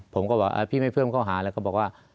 ผมก็บอกพี่ไม่เพิ่มข้อหาแล้วก็บอกว่า